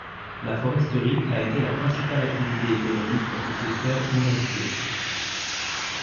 La foresterie a été la principale activité économique dans ce secteur inhabité.